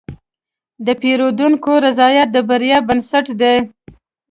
د پیرودونکي رضایت د بریا بنسټ دی.